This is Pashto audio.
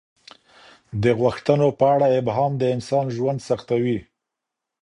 د غوښتنو په اړه ابهام د انسان ژوند سختوي.